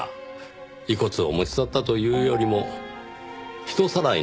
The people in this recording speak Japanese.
遺骨を持ち去ったというよりも人さらいの文言でした。